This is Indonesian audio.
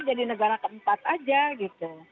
jadi negara keempat aja gitu